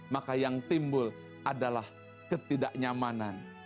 maka yang timbul adalah ketidaknyamanan